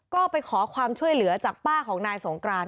ก็ไปขอความช่วยเหลือจากป้าของนายสงกราน